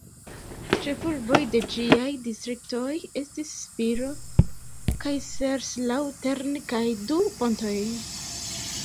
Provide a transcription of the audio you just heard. Ĉefurboj de ĝiaj distriktoj estis Spiro, Kaiserslautern kaj Du-Pontoj.